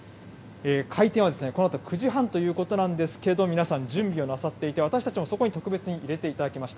開店はこのあと９時半ということなんですけど、皆さん、準備をなさっていて、私たちもそこに特別に入れていただきました。